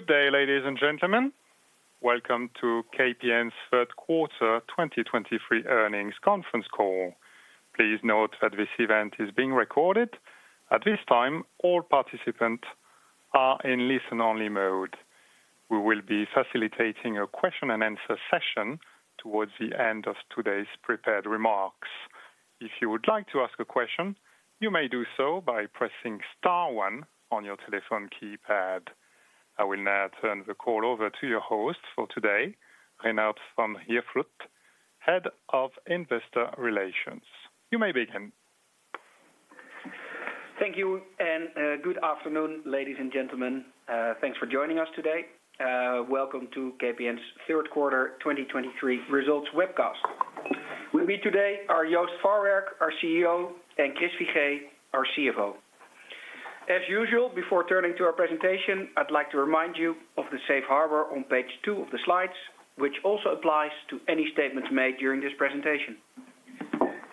Good day, ladies and gentlemen. Welcome to KPN's third quarter 2023 earnings conference call. Please note that this event is being recorded. At this time, all participants are in listen-only mode. We will be facilitating a question and answer session towards the end of today's prepared remarks. If you would like to ask a question, you may do so by pressing star one on your telephone keypad. I will now turn the call over to your host for today, Reinout van Ierschot, Head of Investor Relations. You may begin. Thank you, and good afternoon, ladies and gentlemen. Thanks for joining us today. Welcome to KPN's third quarter 2023 results webcast. With me today are Joost Farwerck, our CEO, and Chris Figee, our CFO. As usual, before turning to our presentation, I'd like to remind you of the Safe Harbor on page two of the slides, which also applies to any statements made during this presentation.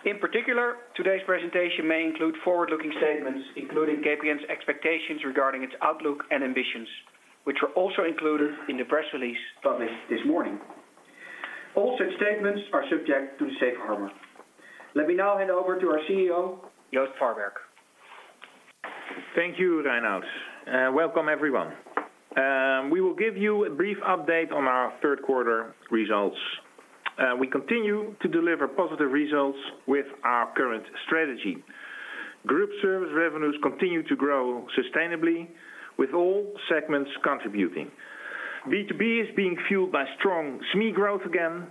In particular, today's presentation may include forward-looking statements, including KPN's expectations regarding its outlook and ambitions, which were also included in the press release published this morning. All such statements are subject to the Safe Harbor. Let me now hand over to our CEO, Joost Farwerck. Thank you, Reinout. Welcome, everyone. We will give you a brief update on our third quarter results. We continue to deliver positive results with our current strategy. Group service revenues continue to grow sustainably, with all segments contributing. B2B is being fueled by strong SME growth again.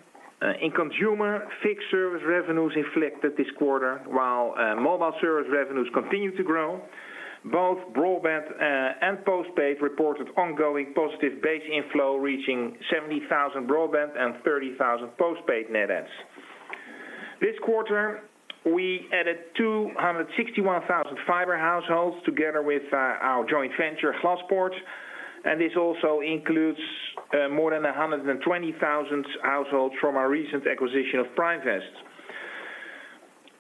In consumer, fixed service revenues increased this quarter, while mobile service revenues continued to grow. Both broadband and postpaid reported ongoing positive base inflow, reaching 70,000 broadband and 30,000 postpaid net adds. This quarter, we added 261,000 fiber households together with our joint venture Glaspoort, and this also includes more than 120,000 households from our recent acquisition of Primevest.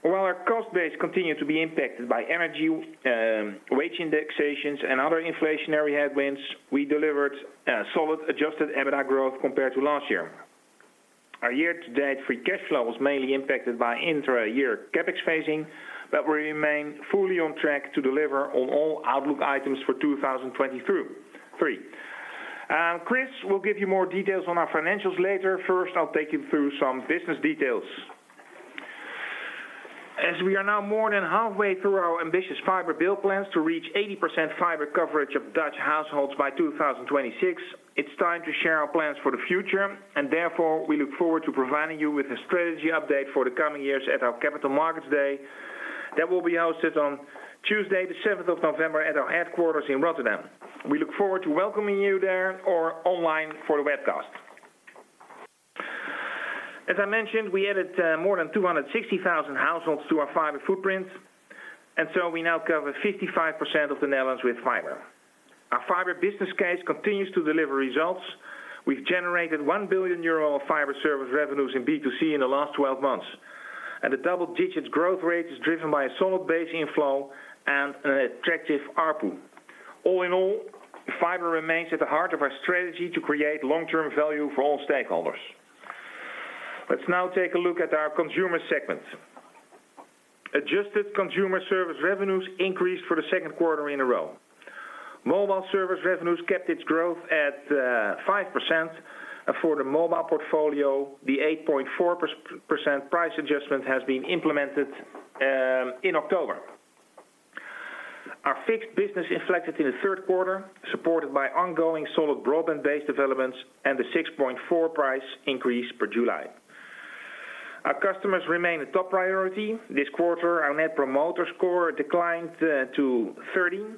While our cost base continued to be impacted by energy, wage indexations, and other inflationary headwinds, we delivered solid adjusted EBITDA growth compared to last year. Our year-to-date free cash flow was mainly impacted by intra-year CapEx phasing, but we remain fully on track to deliver on all outlook items for 2023. Chris will give you more details on our financials later. First, I'll take you through some business details. As we are now more than halfway through our ambitious fiber build plans to reach 80% fiber coverage of Dutch households by 2026, it's time to share our plans for the future, and therefore, we look forward to providing you with a strategy update for the coming years at our Capital Markets Day. That will be hosted on Tuesday, the 7th November, at our headquarters in Rotterdam. We look forward to welcoming you there or online for the webcast. As I mentioned, we added more than 260,000 households to our fiber footprint, and so we now cover 55% of the Netherlands with fiber. Our fiber business case continues to deliver results. We've generated 1 billion euro of fiber service revenues in B2C in the last 12 months, and the double-digit growth rate is driven by a solid base inflow and an attractive ARPU. All in all, fiber remains at the heart of our strategy to create long-term value for all stakeholders. Let's now take a look at our consumer segment. Adjusted consumer service revenues increased for the second quarter in a row. Mobile service revenues kept its growth at 5%. For the mobile portfolio, the 8.4% price adjustment has been implemented in October. Our fixed business inflected in the third quarter, supported by ongoing solid broadband base developments and the 6.4% price increase per July. Our customers remain a top priority. This quarter, our Net Promoter Score declined to 13.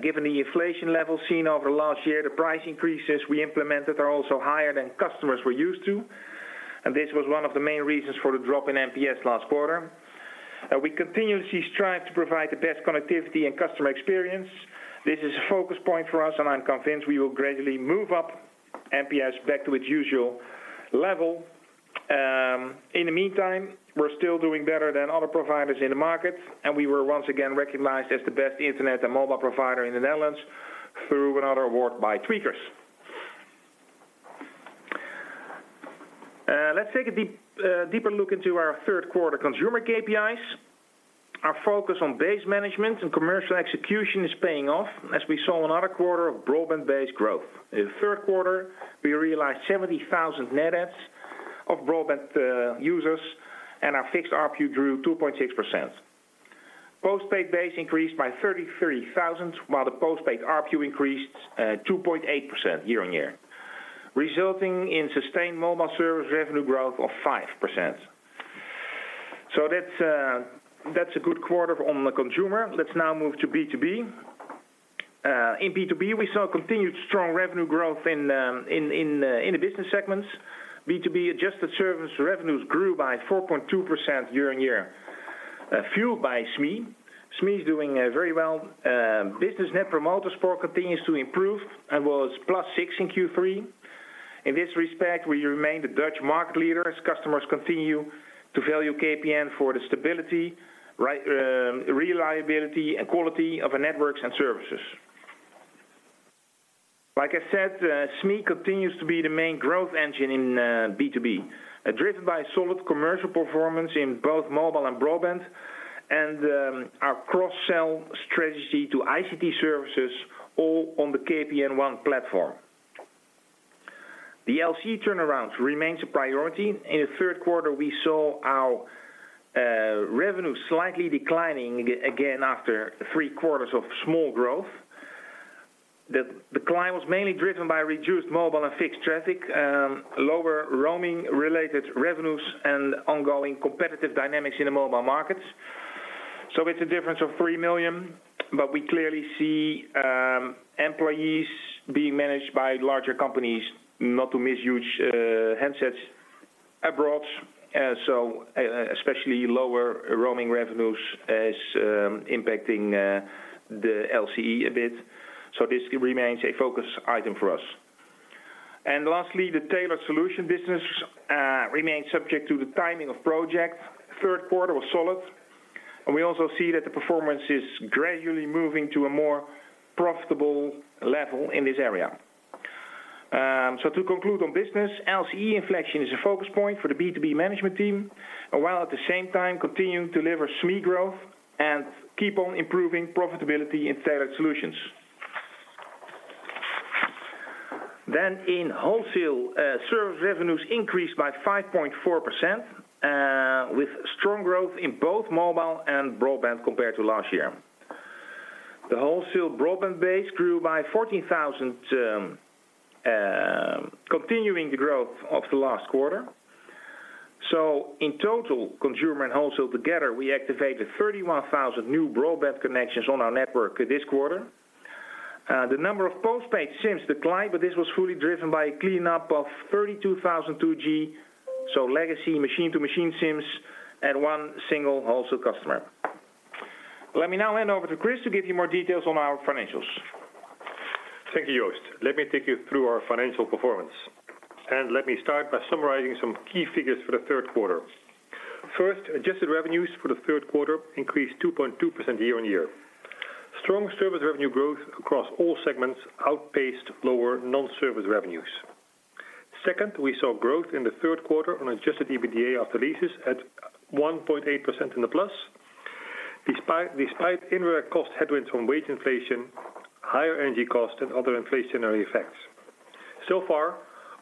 Given the inflation levels seen over last year, the price increases we implemented are also higher than customers were used to, and this was one of the main reasons for the drop in NPS last quarter. We continuously strive to provide the best connectivity and customer experience. This is a focus point for us, and I'm convinced we will gradually move up NPS back to its usual level. In the meantime, we're still doing better than other providers in the market, and we were once again recognized as the best internet and mobile provider in the Netherlands through another award by Tweakers. Let's take a deep, deeper look into our third quarter consumer KPIs. Our focus on base management and commercial execution is paying off, as we saw another quarter of broadband base growth. In the third quarter, we realized 70,000 net adds of broadband users, and our fixed ARPU grew 2.6%. Postpaid base increased by 33,000, while the postpaid ARPU increased 2.8% year-on-year, resulting in sustained mobile service revenue growth of 5%. So that's a good quarter on the consumer. Let's now move to B2B. In B2B, we saw continued strong revenue growth in the business segments. B2B adjusted service revenues grew by 4.2% year-on-year, fueled by SME. SME is doing very well. Business Net Promoter Score continues to improve and was +6 in Q3. In this respect, we remain the Dutch market leader as customers continue to value KPN for the stability, right, reliability, and quality of our networks and services. Like I said, SME continues to be the main growth engine in B2B, driven by solid commercial performance in both mobile and broadband, and our cross-sell strategy to ICT services, all on the KPN EEN platform. The LCE turnaround remains a priority. In the third quarter, we saw our revenue slightly declining again after three quarters of small growth. The decline was mainly driven by reduced mobile and fixed traffic, lower roaming related revenues, and ongoing competitive dynamics in the mobile markets. It's a difference of 3 million, but we clearly see employees being managed by larger companies not to miss huge handsets abroad. Especially lower roaming revenues is impacting the LCE a bit. This remains a focus item for us. Lastly, the tailored solution business remains subject to the timing of projects. Third quarter was solid, and we also see that the performance is gradually moving to a more profitable level in this area. To conclude on business, LCE inflection is a focus point for the B2B management team, and while at the same time continuing to deliver SME growth and keep on improving profitability in tailored solutions. In wholesale, service revenues increased by 5.4%, with strong growth in both mobile and broadband compared to last year. The wholesale broadband base grew by 14,000, continuing the growth of the last quarter. So in total, consumer and wholesale together, we activated 31,000 new broadband connections on our network this quarter. The number of postpaid SIMs declined, but this was fully driven by a cleanup of 32,000 2G, so legacy machine-to-machine SIMs, and one single wholesale customer. Let me now hand over to Chris to give you more details on our financials. Thank you, Joost. Let me take you through our financial performance, and let me start by summarizing some key figures for the third quarter. First, adjusted revenues for the third quarter increased 2.2% year-on-year. Strong service revenue growth across all segments outpaced lower non-service revenues. Second, we saw growth in the third quarter on adjusted EBITDA after leases at 1.8% in the plus, despite upward cost headwinds from wage inflation, higher energy costs, and other inflationary effects. So far,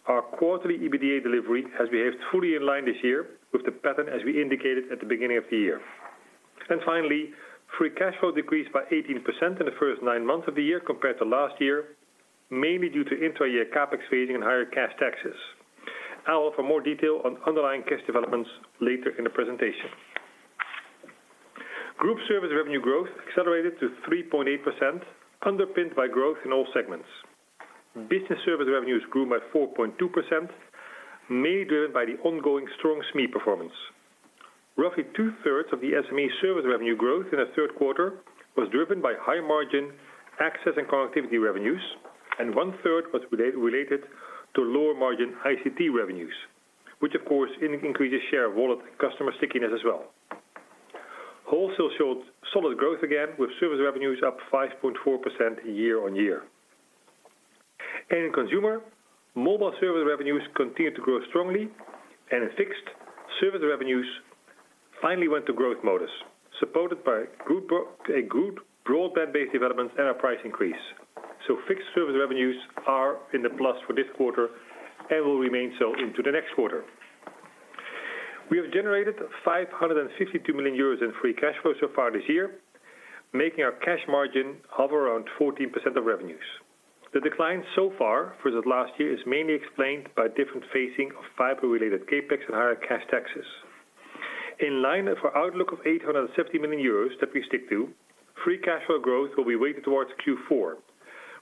our quarterly EBITDA delivery has behaved fully in line this year with the pattern as we indicated at the beginning of the year. And finally, free cash flow decreased by 18% in the first nine months of the year compared to last year, mainly due to inter-year CapEx phasing and higher cash taxes. I'll offer more detail on underlying cash developments later in the presentation. Group service revenue growth accelerated to 3.8%, underpinned by growth in all segments. Business service revenues grew by 4.2%, mainly driven by the ongoing strong SME performance. Roughly 2/3 of the SME service revenue growth in the third quarter was driven by high margin access and connectivity revenues, and 1/3 was related to lower margin ICT revenues, which of course, increases share of wallet customer stickiness as well. Wholesale showed solid growth again, with service revenues up 5.4% year-on-year. And in consumer, mobile service revenues continued to grow strongly, and in fixed, service revenues finally went to growth mode, supported by group broadband base developments and a price increase. Fixed service revenues are in the plus for this quarter and will remain so into the next quarter. We have generated 562 million euros in free cash flow so far this year, making our cash margin hover around 14% of revenues. The decline so far for the last year is mainly explained by different phasing of fiber-related CapEx and higher cash taxes. In line with our outlook of 870 million euros, that we stick to, free cash flow growth will be weighted towards Q4,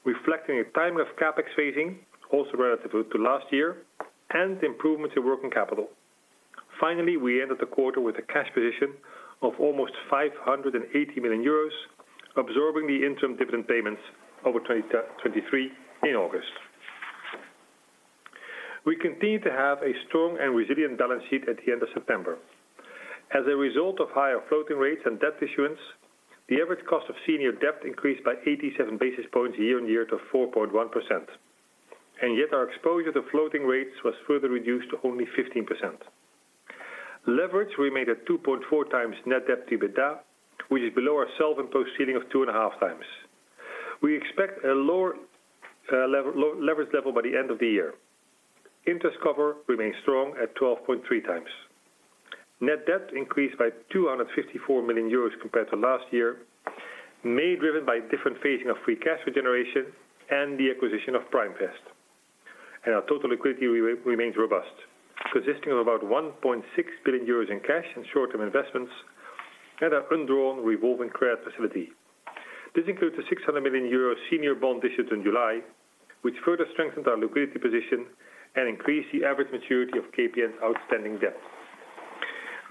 reflecting a timing of CapEx phasing, also relative to last year, and improvements in working capital. Finally, we ended the quarter with a cash position of almost 580 million euros, absorbing the interim dividend payments over 2023 in August. We continue to have a strong and resilient balance sheet at the end of September. As a result of higher floating rates and debt issuance, the average cost of senior debt increased by 87 basis points year on year to 4.1%, and yet our exposure to floating rates was further reduced to only 15%. Leverage remained at 2.4x net debt to EBITDA, which is below our self-imposed ceiling of 2.5x. We expect a lower leverage level by the end of the year. Interest cover remains strong at 12.3x. Net debt increased by 254 million euros compared to last year, mainly driven by different phasing of free cash flow generation and the acquisition of Primevest. Our total liquidity remains robust, consisting of about 1.6 billion euros in cash and short-term investments and our undrawn revolving credit facility. This includes a 600 million euro senior bond issued in July, which further strengthened our liquidity position and increased the average maturity of KPN's outstanding debt.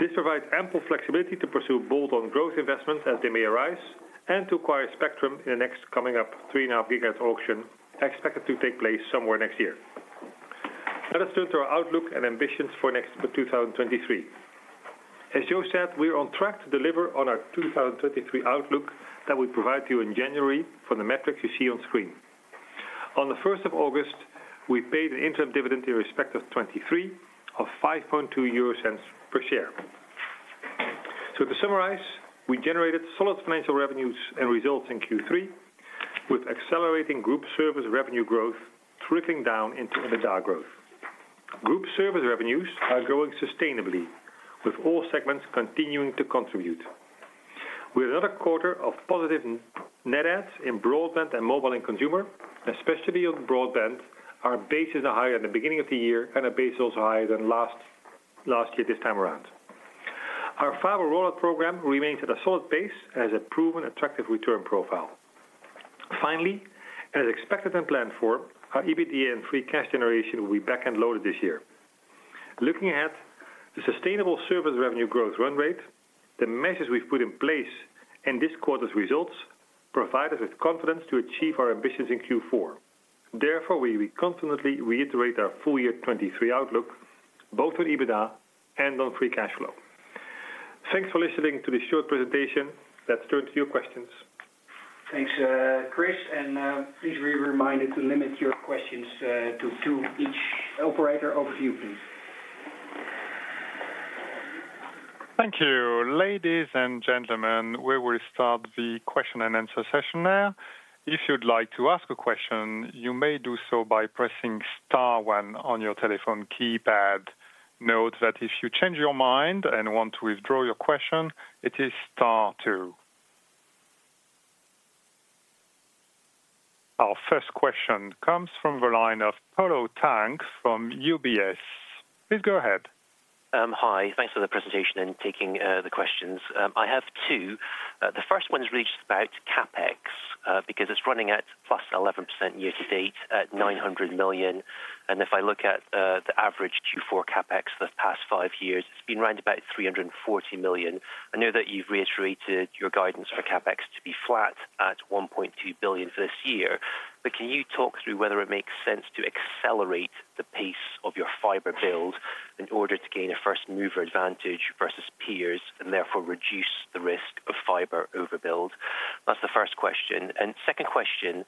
This provides ample flexibility to pursue bolt-on growth investments as they may arise, and to acquire spectrum in the next coming up 3.5 GHz auction, expected to take place somewhere next year. Let us turn to our outlook and ambitions for next, for 2023. As Joost said, we are on track to deliver on our 2023 outlook that we provided to you in January for the metrics you see on screen. On the first of August, we paid an interim dividend in respect of 2023, of 0.052 per share. So to summarize, we generated solid financial revenues and results in Q3, with accelerating group service revenue growth trickling down into EBITDA growth. Group service revenues are growing sustainably, with all segments continuing to contribute. We had another quarter of positive net adds in broadband and mobile and consumer, especially on broadband. Our base is higher at the beginning of the year, and our base is also higher than last, last year this time around. Our fiber rollout program remains at a solid pace and has a proven attractive return profile. Finally, as expected and planned for, our EBITDA and free cash generation will be back-end loaded this year. Looking at the sustainable service revenue growth run rate, the measures we've put in place and this quarter's results provide us with confidence to achieve our ambitions in Q4. Therefore, we confidently reiterate our full year 2023 outlook, both on EBITDA and on free cash flow. Thanks for listening to this short presentation. Let's turn to your questions. Thanks, Chris, and, please be reminded to limit your questions, to two each. Operator, over to you, please. Thank you, ladies and gentlemen. We will start the question and answer session now. If you'd like to ask a question, you may do so by pressing star one on your telephone keypad. Note that if you change your mind and want to withdraw your question, it is star two. Our first question comes from the line of Polo Tang from UBS. Please go ahead. Hi, thanks for the presentation and taking the questions. I have two. The first one is really just about CapEx, because it's running at +11% year-to-date at 900 million. And if I look at the average Q4 CapEx for the past five years, it's been around about 340 million. I know that you've reiterated your guidance for CapEx to be flat at 1.2 billion for this year, but can you talk through whether it makes sense to accelerate the pace of your fiber build in order to gain a first mover advantage versus peers, and therefore reduce the risk of fiber overbuild? That's the first question. Second question,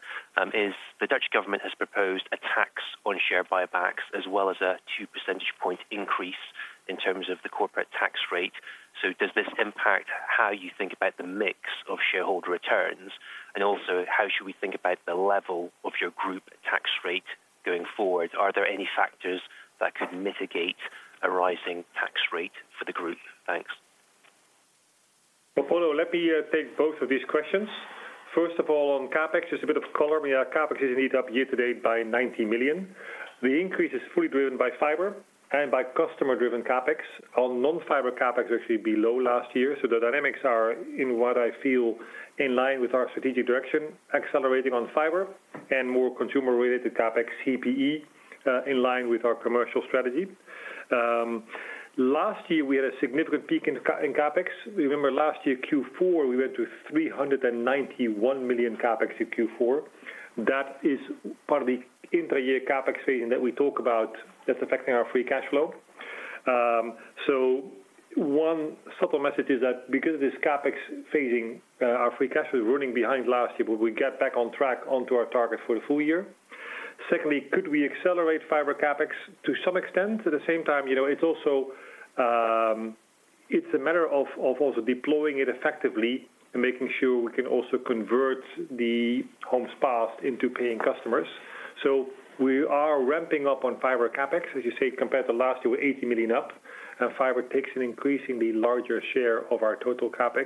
is the Dutch government has proposed a tax on share buybacks, as well as a 2 percentage point increase in terms of the corporate tax rate. So does this impact how you think about the mix of shareholder returns? And also, how should we think about the level of your group tax rate going forward? Are there any factors that could mitigate a rising tax rate for the group? Thanks. Well, Polo, let me take both of these questions. First of all, on CapEx, just a bit of color. Yeah, CapEx is indeed up year-to-date by 90 million. The increase is fully driven by fiber and by customer-driven CapEx. On non-fiber, CapEx is actually below last year, so the dynamics are in what I feel in line with our strategic direction, accelerating on fiber and more consumer-related CapEx, CPE, in line with our commercial strategy. Last year, we had a significant peak in CapEx. Remember, last year, Q4, we went to 391 million CapEx in Q4. That is part of the inter-year CapEx phase that we talk about that's affecting our free cash flow. So one subtle message is that because of this CapEx phasing, our free cash flow is running behind last year, but we get back on track onto our target for the full year. Secondly, could we accelerate fiber CapEx? To some extent. At the same time, you know, it's also, it's a matter of also deploying it effectively and making sure we can also convert the homes passed into paying customers. So we are ramping up on fiber CapEx. As you say, compared to last year, we're 80 million up, and fiber takes an increasingly larger share of our total CapEx.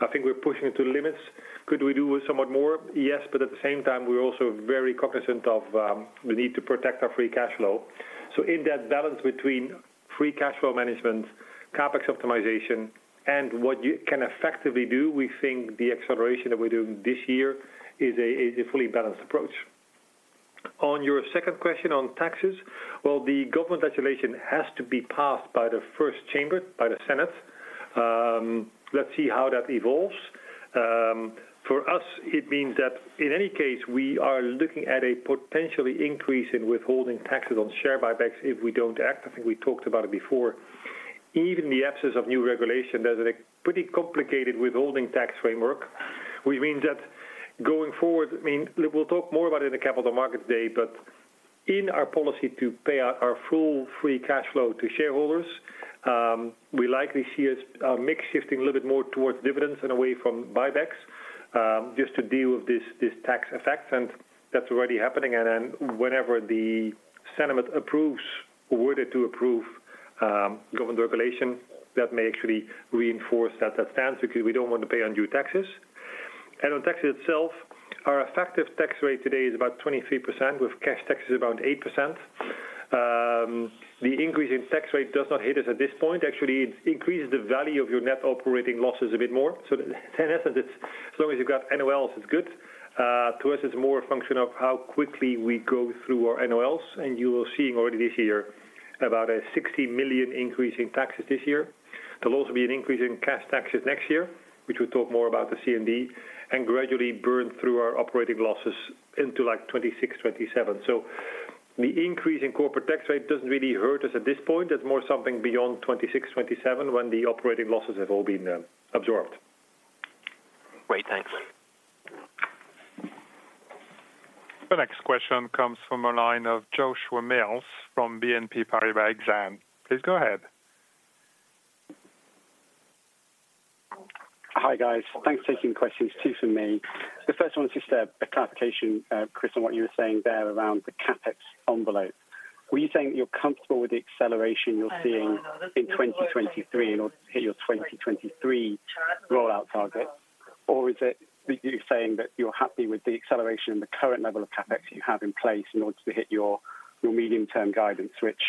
I think we're pushing it to the limits. Could we do somewhat more? Yes, but at the same time, we're also very cognizant of the need to protect our free cash flow. So in that balance between free cash flow management, CapEx optimization, and what you can effectively do, we think the acceleration that we're doing this year is a fully balanced approach. On your second question on taxes, well, the government legislation has to be passed by the first chamber, by the Senate. Let's see how that evolves. For us, it means that in any case, we are looking at a potentially increase in withholding taxes on share buybacks if we don't act. I think we talked about it before. Even in the absence of new regulation, there's a pretty complicated withholding tax framework, which means that going forward, I mean, we'll talk more about it in the Capital Markets Day, but in our policy to pay out our full free cash flow to shareholders, we likely see a mix shifting a little bit more towards dividends and away from buybacks, just to deal with this tax effect, and that's already happening. And then whenever the Senate approves or were to approve government regulation, that may actually reinforce that stance because we don't want to pay undue taxes. And on taxes itself, our effective tax rate today is about 23%, with cash taxes around 8%. The increase in tax rate does not hit us at this point. Actually, it increases the value of your net operating losses a bit more. So in essence, as long as you've got NOLs, it's good. To us, it's more a function of how quickly we go through our NOLs, and you are seeing already this year about a 60 million increase in taxes this year. There'll also be an increase in cash taxes next year, which we'll talk more about the CMD, and gradually burn through our operating losses into like 2026, 2027. So the increase in corporate tax rate doesn't really hurt us at this point. It's more something beyond 2026, 2027, when the operating losses have all been absorbed. Great. Thanks. The next question comes from the line of Joshua Mills from BNP Paribas Exane. Please go ahead. Hi, guys. Thanks for taking questions, two from me. The first one is just a clarification, Chris, on what you were saying there around the CapEx envelope. Were you saying you're comfortable with the acceleration you're seeing in 2023 in order to hit your 2023 rollout target? Or is it that you're saying that you're happy with the acceleration and the current level of CapEx you have in place in order to hit your medium-term guidance? Which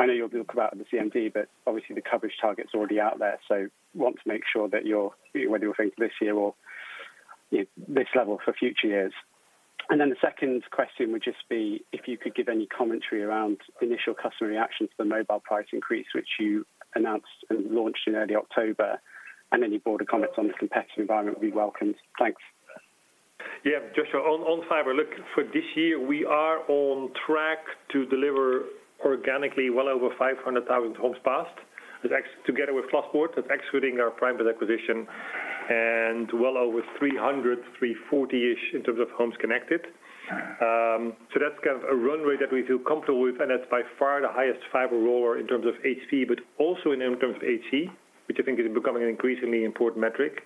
I know you'll be talking about in the CMD, but obviously the coverage target is already out there. So want to make sure that you're whether you're thinking this year or this level for future years. Then the second question would just be if you could give any commentary around initial customer reaction to the mobile price increase, which you announced and launched in early October, and any broad comments on the competitive environment would be welcomed. Thanks. Yeah, Joshua, on fiber, look, for this year, we are on track to deliver organically well over 500,000 homes passed. Together with Glaspoort, that's excluding our private acquisition, and well over 300, 340-ish in terms of homes connected. So that's kind of a runway that we feel comfortable with, and that's by far the highest fiber rollout in terms of HP, but also in terms of HC, which I think is becoming an increasingly important metric.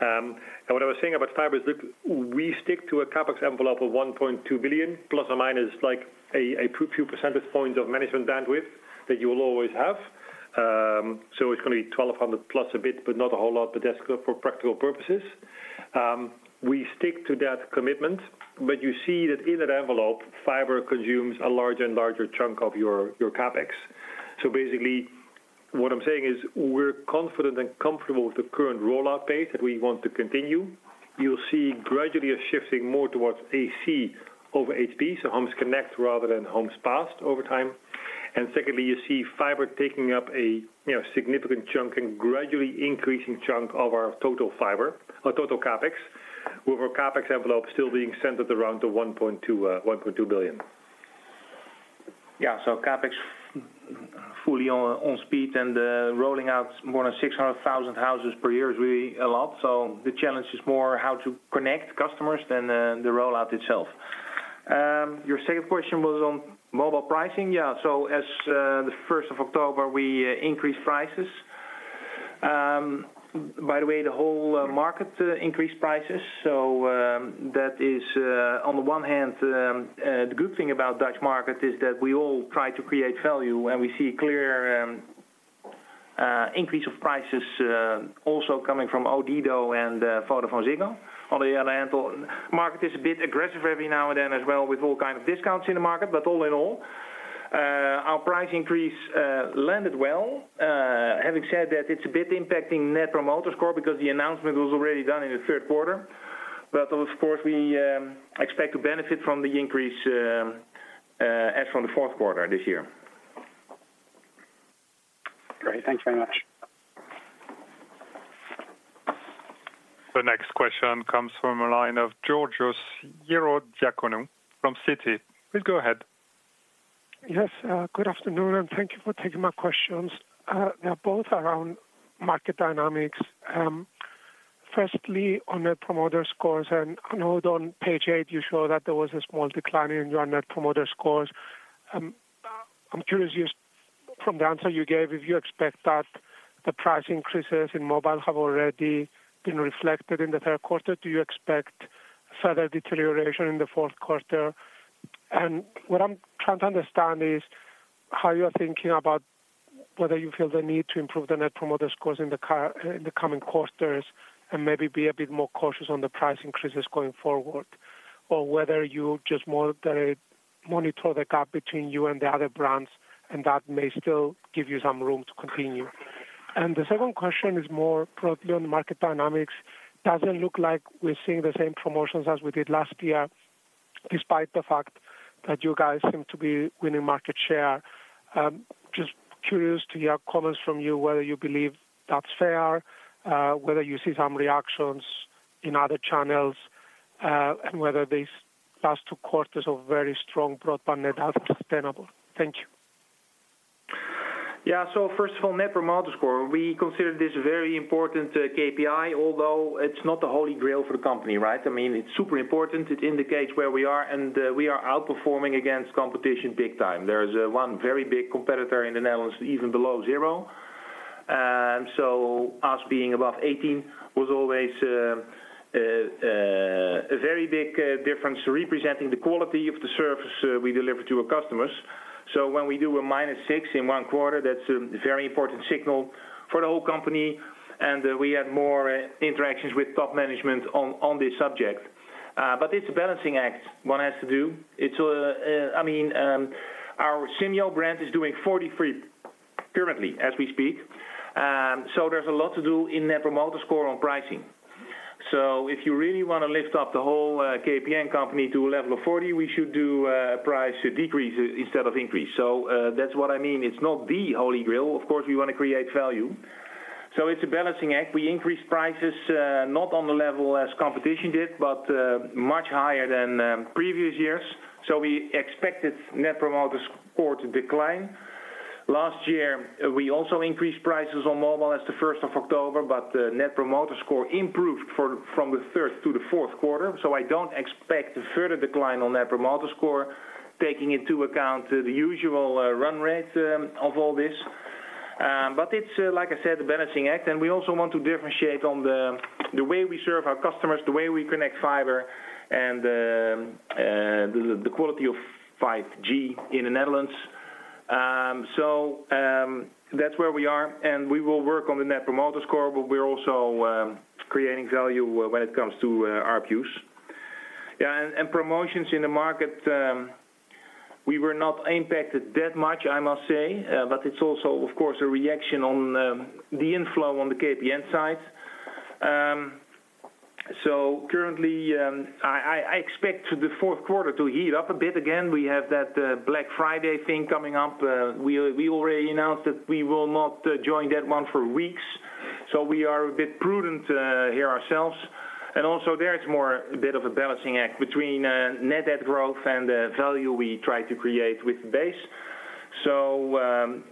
And what I was saying about fiber is that we stick to a CapEx envelope of 1.2 billion, plus or minus, like a few percentage points of management bandwidth that you will always have. So it's gonna be 1,200+ a bit, but not a whole lot, but that's good for practical purposes. We stick to that commitment, but you see that in that envelope, fiber consumes a larger and larger chunk of your CapEx. So basically, what I'm saying is we're confident and comfortable with the current rollout pace that we want to continue. You'll see gradually a shifting more towards HC over HP, so homes connected rather than homes passed over time. And secondly, you see fiber taking up a, you know, significant chunk and gradually increasing chunk of our total fiber or total CapEx, with our CapEx envelope still being centered around 1.2 billion. Yeah, so CapEx fully on speed and rolling out more than 600,000 houses per year is really a lot. So the challenge is more how to connect customers than the rollout itself. Your second question was on mobile pricing. Yeah, so as the first of October, we increased prices. By the way, the whole market increased prices. So that is, on the one hand, the good thing about Dutch market is that we all try to create value, and we see clear increase of prices also coming from Odido and VodafoneZiggo. On the other hand, market is a bit aggressive every now and then as well with all kind of discounts in the market. But all in all, our price increase landed well. Having said that, it's a bit impacting Net Promoter Score because the announcement was already done in the third quarter. But of course, we expect to benefit from the increase as from the fourth quarter this year. Great. Thank you very much. The next question comes from a line of Georgios Ierodiaconou from Citi. Please go ahead. Yes, good afternoon, and thank you for taking my questions. They're both around market dynamics. Firstly, on Net Promoter Scores, and I know on page eight, you show that there was a small decline in your Net Promoter Scores. I'm curious, from the answer you gave, if you expect that the price increases in mobile have already been reflected in the third quarter. Do you expect further deterioration in the fourth quarter? And what I'm trying to understand is how you're thinking about whether you feel the need to improve the Net Promoter Scores in the coming quarters, and maybe be a bit more cautious on the price increases going forward, or whether you just monitor the gap between you and the other brands, and that may still give you some room to continue. The second question is more probably on the market dynamics. Doesn't look like we're seeing the same promotions as we did last year, despite the fact that you guys seem to be winning market share. Just curious to hear comments from you, whether you believe that's fair, whether you see some reactions in other channels, and whether these last two quarters of very strong broadband net are sustainable. Thank you. Yeah. So first of all, Net Promoter Score. We consider this a very important KPI, although it's not the holy grail for the company, right? I mean, it's super important. It indicates where we are, and we are outperforming against competition big time. There is one very big competitor in the Netherlands, even below zero. And so us being above 18 was always a very big difference representing the quality of the service we deliver to our customers. So when we do a -6 in one quarter, that's a very important signal for the whole company, and we have more interactions with top management on this subject. But it's a balancing act one has to do. It's I mean, our Simyo brand is doing 43 currently, as we speak. So, there's a lot to do in Net Promoter Score on pricing. So if you really want to lift up the whole KPN company to a level of 40, we should do price decreases instead of increase. So that's what I mean. It's not the holy grail. Of course, we want to create value. So it's a balancing act. We increase prices not on the level as competition did, but much higher than previous years. So we expected Net Promoter Score to decline. Last year, we also increased prices on mobile as the first of October, but the Net Promoter Score improved from the third to the fourth quarter. So I don't expect a further decline on Net Promoter Score, taking into account the usual run rate of all this. But it's, like I said, a balancing act, and we also want to differentiate on the way we serve our customers, the way we connect fiber, and the quality of 5G in the Netherlands. So, that's where we are, and we will work on the Net Promoter Score, but we're also creating value when it comes to ARPUs. Yeah, and promotions in the market, we were not impacted that much, I must say. But it's also, of course, a reaction on the inflow on the KPN side. So currently, I expect the fourth quarter to heat up a bit again. We have that Black Friday thing coming up. We already announced that we will not join that one for weeks, so we are a bit prudent here ourselves. And also there is more a bit of a balancing act between net add growth and the value we try to create with the base. So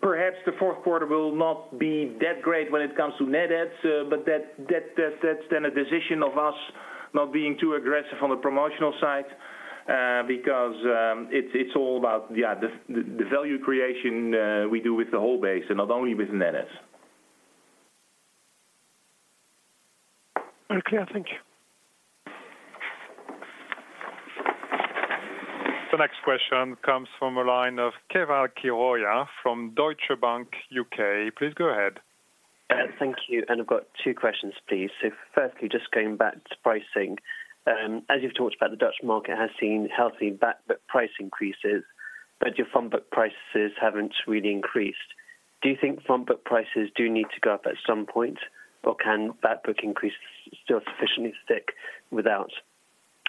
perhaps the fourth quarter will not be that great when it comes to net adds, but that's then a decision of us not being too aggressive on the promotional side. Because it's all about the value creation we do with the whole base and not only with net adds. Okay, thank you. The next question comes from a line of Keval Khiroya from Deutsche Bank U.K. Please go ahead. Thank you, and I've got two questions, please. So firstly, just going back to pricing. As you've talked about, the Dutch market has seen healthy backbook price increases, but your frontbook prices haven't really increased. Do you think frontbook prices do need to go up at some point, or can backbook increase still sufficiently stick without?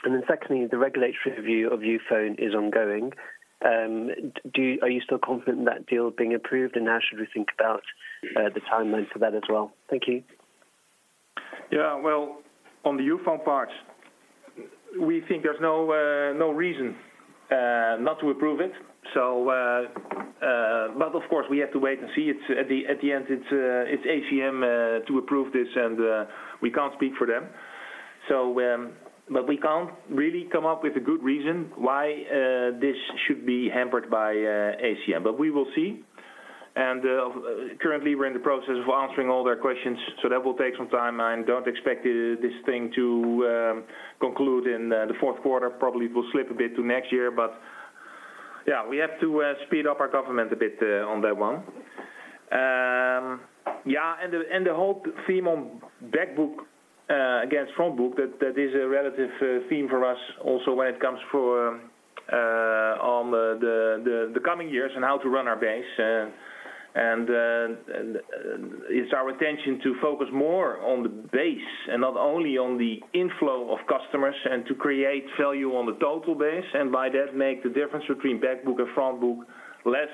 And then secondly, the regulatory review of Youfone is ongoing. Are you still confident in that deal being approved, and how should we think about the timeline for that as well? Thank you. Yeah, well, on the Youfone part, we think there's no reason not to approve it. So, but of course, we have to wait and see. It's, at the end, it's ACM to approve this, and we can't speak for them. So, but we can't really come up with a good reason why this should be hampered by ACM. But we will see. And currently, we're in the process of answering all their questions, so that will take some time. I don't expect this thing to conclude in the fourth quarter. Probably it will slip a bit to next year, but yeah, we have to speed up our government a bit on that one. Yeah, and the whole theme on backbook against frontbook is a relative theme for us also when it comes for on the coming years and how to run our base. It's our intention to focus more on the base and not only on the inflow of customers and to create value on the total base, and by that, make the difference between backbook and frontbook less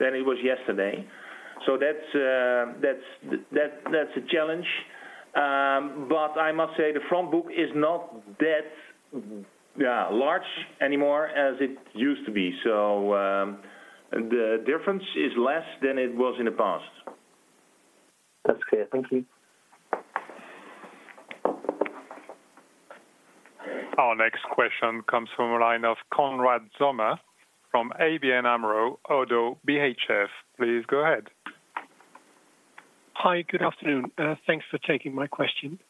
than it was yesterday. So that's a challenge. But I must say, the frontbook is not that, yeah, large anymore as it used to be. So the difference is less than it was in the past. That's clear. Thank you. Our next question comes from a line of Konrad Zomer from ABN AMRO Oddo BHF. Please go ahead. Hi, good afternoon. Thanks for taking my question.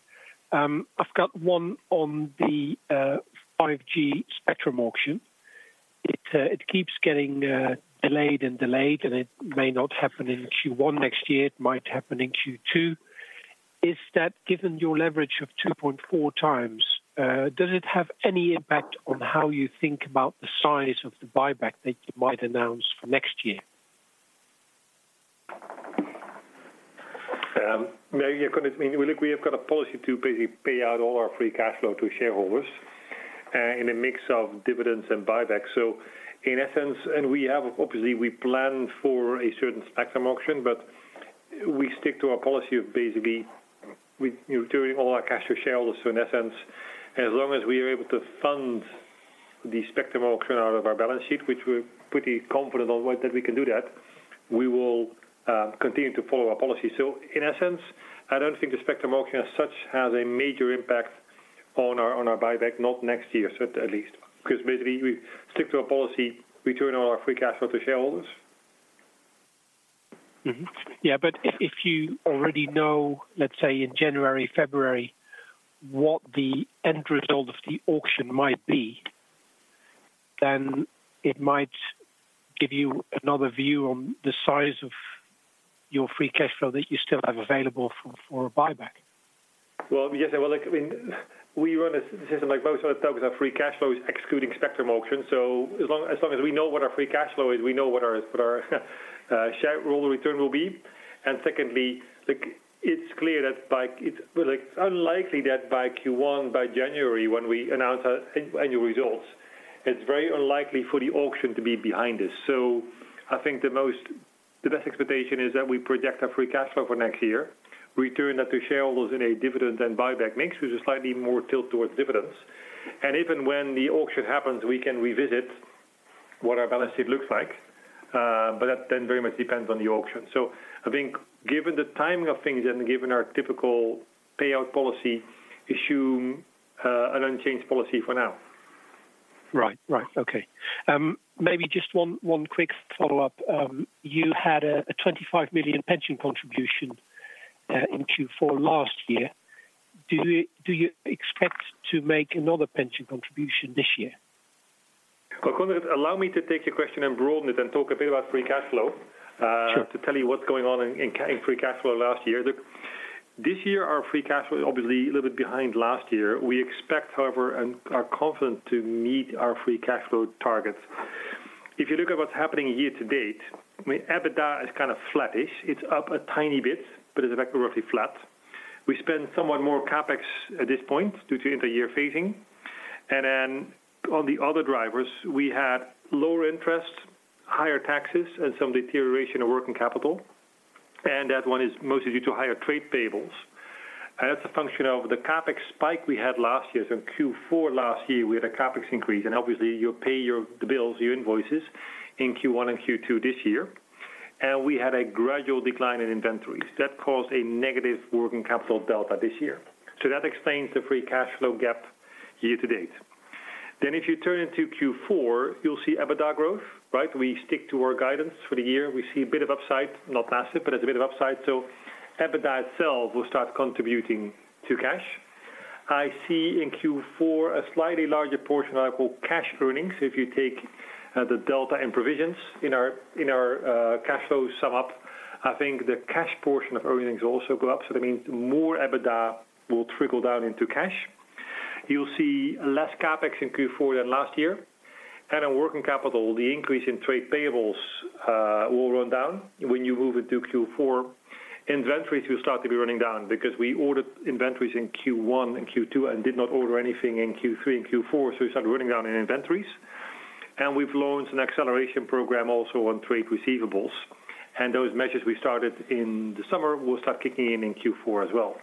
I've got one on the 5G spectrum auction. It keeps getting delayed and delayed, and it may not happen in Q1 next year. It might happen in Q2. Is that, given your leverage of 2.4x, does it have any impact on how you think about the size of the buyback that you might announce for next year? Maybe, Konrad, I mean, look, we have got a policy to basically pay out all our free cash flow to shareholders, in a mix of dividends and buybacks. So in essence, and we have obviously, we plan for a certain spectrum auction, but we stick to our policy of basically we, you know, doing all our cash to shareholders. So in essence, as long as we are able to fund the spectrum auction out of our balance sheet, which we're pretty confident on that we can do that, we will continue to follow our policy. So in essence, I don't think the spectrum auction as such has a major impact on our, on our buyback, not next year, at least. Because basically, we stick to our policy, we return all our free cash flow to shareholders. Mm-hmm. Yeah, but if you already know, let's say, in January, February, what the end result of the auction might be, then it might give you another view on the size of your free cash flow that you still have available for a buyback. Well, yes, well, look, I mean, we run a system like most other targets. Our free cash flow is excluding spectrum auction. So as long as we know what our free cash flow is, we know what our shareholder return will be. And secondly, like, it's clear that, like, it's, well, like, unlikely that by Q1, by January, when we announce our annual results, it's very unlikely for the auction to be behind us. So I think the most, the best expectation is that we project our free cash flow for next year. Return that to shareholders in a dividend and buyback mix, which is slightly more tilt towards dividends. And even when the auction happens, we can revisit what our balance sheet looks like, but that then very much depends on the auction. So I think given the timing of things and given our typical payout policy, issue an unchanged policy for now. Right. Right. Okay. Maybe just one quick follow-up. You had a 25 million pension contribution in Q4 last year. Do you expect to make another pension contribution this year? Well, Konrad, allow me to take your question and broaden it and talk a bit about free cash flow. Sure. To tell you what's going on in free cash flow last year. Look, this year, our free cash flow is obviously a little bit behind last year. We expect, however, and are confident to meet our free cash flow targets. If you look at what's happening year-to-date, I mean, EBITDA is kind of flattish. It's up a tiny bit, but it's effectively roughly flat. We spend somewhat more CapEx at this point due to inter-year phasing. And then on the other drivers, we had lower interest, higher taxes, and some deterioration of working capital, and that one is mostly due to higher trade payables. And that's a function of the CapEx spike we had last year. So Q4 last year, we had a CapEx increase, and obviously, you pay your, the bills, your invoices in Q1 and Q2 this year. We had a gradual decline in inventories. That caused a negative working capital delta this year. That explains the free cash flow gap year-to-date. If you turn into Q4, you'll see EBITDA growth, right? We stick to our guidance for the year. We see a bit of upside, not massive, but it's a bit of upside, so EBITDA itself will start contributing to cash. I see in Q4 a slightly larger portion I call cash earnings. If you take the delta and provisions in our cash flow sum up, I think the cash portion of earnings will also go up. That means more EBITDA will trickle down into cash. You'll see less CapEx in Q4 than last year. On working capital, the increase in trade payables will run down. When you move into Q4, inventories will start to be running down because we ordered inventories in Q1 and Q2 and did not order anything in Q3 and Q4, so we started running down in inventories. And we've launched an acceleration program also on trade receivables, and those measures we started in the summer will start kicking in in Q4 as well.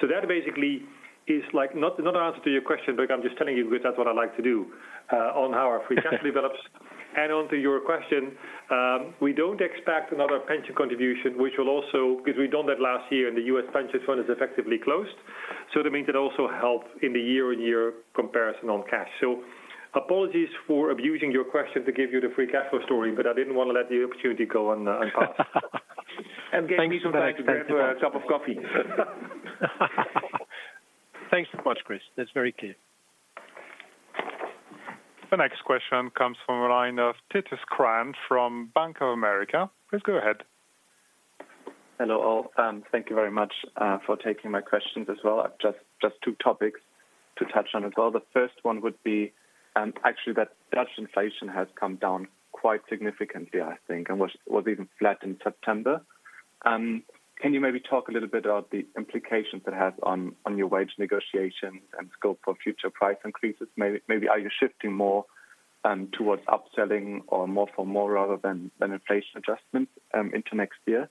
So that basically is like not, not an answer to your question, but I'm just telling you because that's what I like to do on how our free cash develops. And onto your question, we don't expect another pension contribution, which will also... Because we done that last year, and the U.S. pension fund is effectively closed. So that means it also helps in the year-on-year comparison on cash. Apologies for abusing your question to give you the free cash flow story, but I didn't want to let the opportunity go unpunished. Thank you very much. Get me some time to grab a cup of coffee. Thanks so much, Chris. That's very clear. The next question comes from the line of Titus Krahn from Bank of America. Please go ahead. Hello, all, and thank you very much for taking my questions as well. I've just two topics to touch on as well. The first one would be actually that Dutch inflation has come down quite significantly, I think, and was even flat in September. Can you maybe talk a little bit about the implications it has on your wage negotiations and scope for future price increases? Maybe are you shifting more towards upselling or more for more rather than inflation adjustments into next year?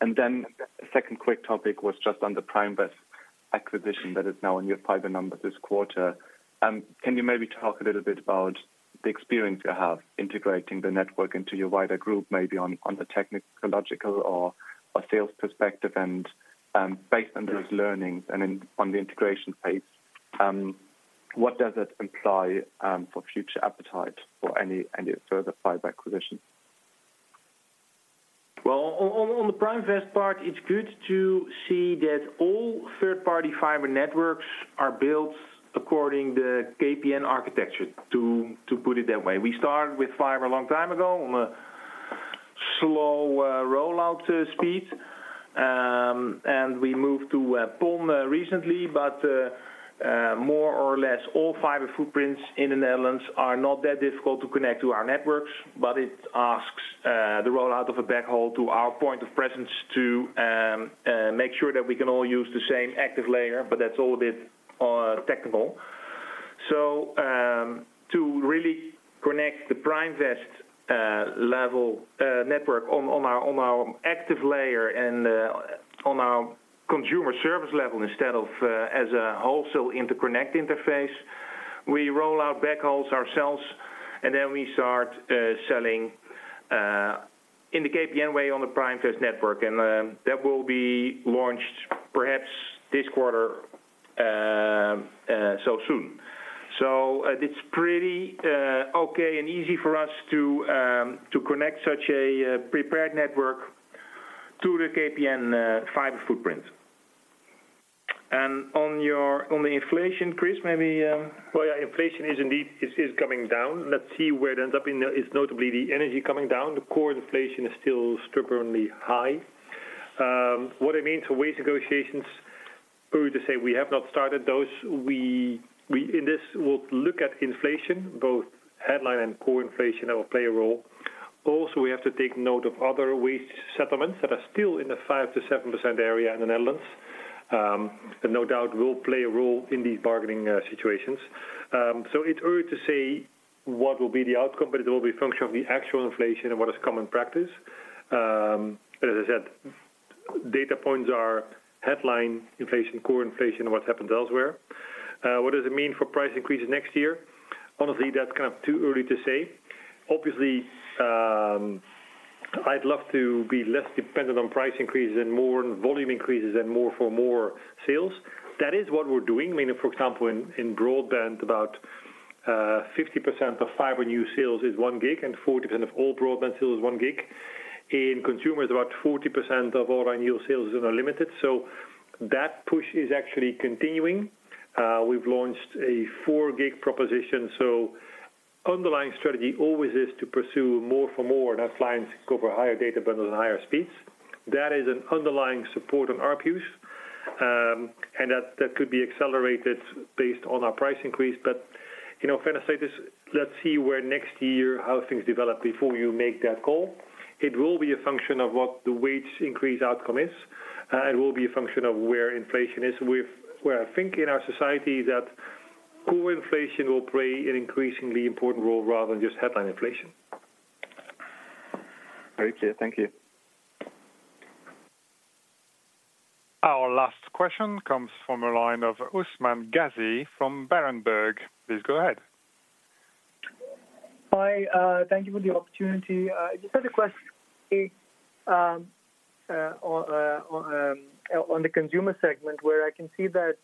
And then the second quick topic was just on the Primevest acquisition that is now in your fiber numbers this quarter. Can you maybe talk a little bit about the experience you have integrating the network into your wider group, maybe on the technological or sales perspective? Based on those learnings and on the integration pace, what does it imply for future appetite for any, any further fiber acquisition? Well, on the Primevest part, it's good to see that all third-party fiber networks are built according the KPN architecture, to put it that way. We started with fiber a long time ago on a slow rollout speed. And we moved to PON recently, but more or less all fiber footprints in the Netherlands are not that difficult to connect to our networks, but it asks the rollout of a backhaul to our point of presence to make sure that we can all use the same active layer, but that's all a bit technical. So, to really connect the Primevest level network on our active layer and on our consumer service level, instead of as a wholesale interconnect interface, we roll out backhauls ourselves, and then we start selling in the KPN way on the Primevest network, and that will be launched perhaps this quarter, so soon. So it's pretty okay and easy for us to connect such a prepared network to the KPN fiber footprint. On the inflation, Chris, maybe, Well, yeah, inflation is indeed coming down. Let's see where it ends up in the. It's notably the energy coming down. The core inflation is still stubbornly high. What it means for wage negotiations, early to say, we have not started those. We in this will look at inflation, both headline and core inflation will play a role. Also, we have to take note of other wage settlements that are still in the 5%-7% area in the Netherlands. But no doubt we'll play a role in these bargaining situations. So it's early to say what will be the outcome, but it will be a function of the actual inflation and what is common practice. As I said, data points are headline inflation, core inflation, what's happened elsewhere. What does it mean for price increases next year? Honestly, that's kind of too early to say. Obviously, I'd love to be less dependent on price increases and more on volume increases and more for more sales. That is what we're doing. I mean, for example, in broadband, about 50% of fiber new sales is 1 Gb, and 40% of all broadband sales is 1 Gb. In consumer, is about 40% of all our new sales are unlimited, so that push is actually continuing. We've launched a 4 Gb proposition. So underlying strategy always is to pursue more for more, and as clients go for higher data bundles and higher speeds. That is an underlying support on ARPUs, and that could be accelerated based on our price increase. But, you know, fair to say this, let's see where next year, how things develop before you make that call. It will be a function of what the wage increase outcome is, it will be a function of where inflation is. Where I think in our society that core inflation will play an increasingly important role rather than just headline inflation. Very clear. Thank you. Our last question comes from the line of Usman Ghazi from Berenberg. Please go ahead. Hi, thank you for the opportunity. Just had a question on the consumer segment, where I can see that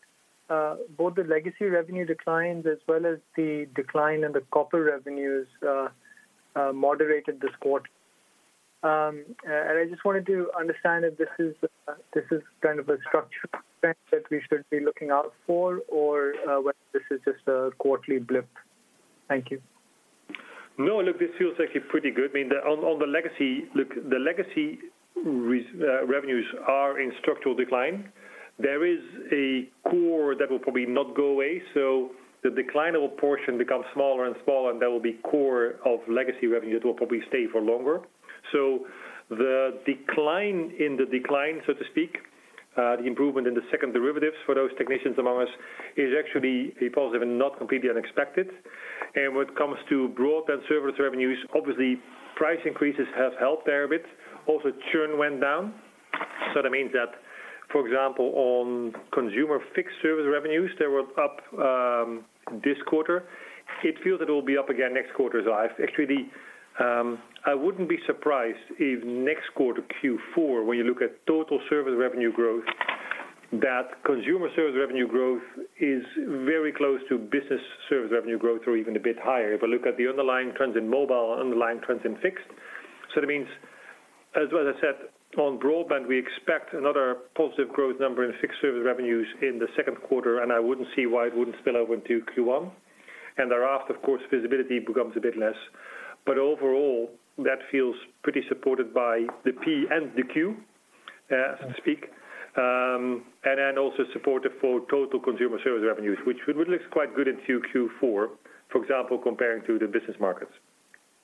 both the legacy revenue declines as well as the decline in the copper revenues moderated this quarter. And I just wanted to understand if this is kind of a structure that we should be looking out for, or whether this is just a quarterly blip. Thank you. No, look, this feels actually pretty good. I mean, on the legacy, look, the legacy revenues are in structural decline. There is a core that will probably not go away, so the declinable portion becomes smaller and smaller, and that will be core of legacy revenue that will probably stay for longer. So the decline in the decline, so to speak, the improvement in the second derivatives for those technicians among us, is actually a positive and not completely unexpected. And when it comes to broadband service revenues, obviously, price increases have helped there a bit. Also, churn went down. So that means that, for example, on consumer fixed service revenues, they were up this quarter. It feels it will be up again next quarter, so I've actually, I wouldn't be surprised if next quarter, Q4, when you look at total service revenue growth, that consumer service revenue growth is very close to business service revenue growth or even a bit higher. If I look at the underlying trends in mobile, underlying trends in fixed. So that means, as, as I said, on broadband, we expect another positive growth number in fixed service revenues in the second quarter, and I wouldn't see why it wouldn't spill over into Q1. And thereafter, of course, visibility becomes a bit less. But overall, that feels pretty supported by the P and the Q, so to speak. And then also supported for total consumer service revenues, which would look quite good into Q4, for example, comparing to the business markets.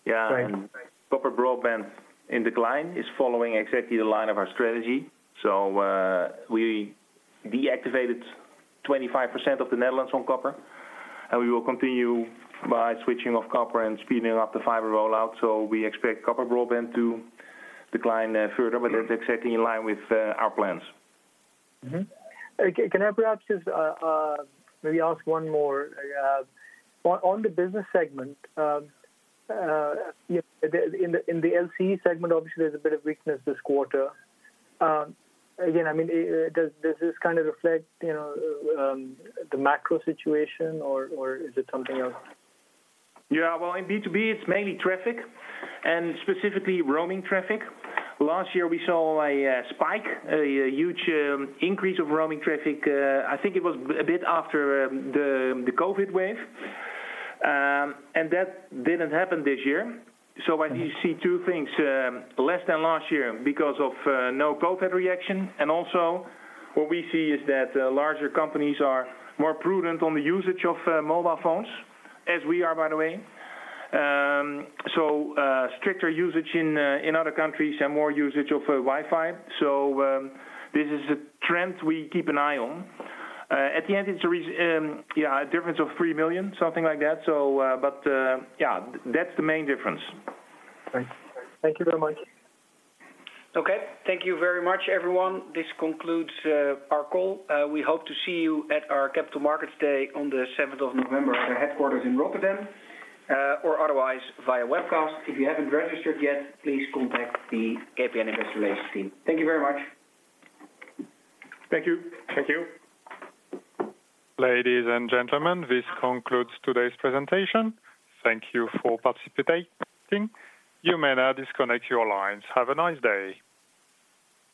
Yeah. Thanks. Proper broadband in decline is following exactly the line of our strategy. So, we deactivated 25% of the Netherlands on copper, and we will continue by switching off copper and speeding up the fiber rollout. So we expect copper broadband to decline further, but that's exactly in line with our plans. Mm-hmm. Okay, can I perhaps just maybe ask one more? On the business segment, yeah, in the LCE segment, obviously, there's a bit of weakness this quarter. Again, I mean, does this just kind of reflect, you know, the macro situation or is it something else? Yeah, well, in B2B, it's mainly traffic and specifically roaming traffic. Last year we saw a spike, a huge increase of roaming traffic. I think it was a bit after the COVID wave. And that didn't happen this year. So I need to see two things, less than last year because of no COVID reaction. And also, what we see is that larger companies are more prudent on the usage of mobile phones, as we are, by the way. So stricter usage in other countries and more usage of Wi-Fi. So this is a trend we keep an eye on. At the end, it's a difference of 3 million, something like that. So but yeah, that's the main difference. Thank you. Thank you very much. Okay. Thank you very much, everyone. This concludes our call. We hope to see you at our Capital Markets Day on the seventh of November at the headquarters in Rotterdam, or otherwise via webcast. If you haven't registered yet, please contact the KPN investor relations team. Thank you very much. Thank you. Thank you. Ladies and gentlemen, this concludes today's presentation. Thank you for participating. You may now disconnect your lines. Have a nice day.